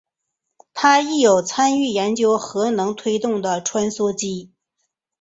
他亦有参与研究核能推动的穿梭机。